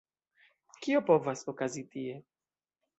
Kio povas okazi tie?